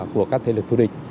của các thế lực thù địch